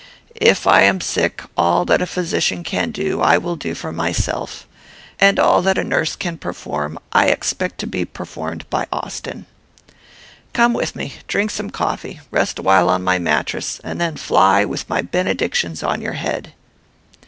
If I am sick, all that a physician can do, I will do for myself, and all that a nurse can perform, I expect to be performed by Austin. "Come with me, drink some coffee, rest a while on my mattress, and then fly, with my benedictions on your head."